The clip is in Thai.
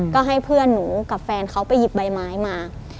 ก็ให้เพื่อนหนูกับแฟนเขาไปหยิบใบไม้มา